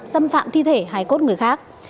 xâm phạm thi thể hái cốt người khác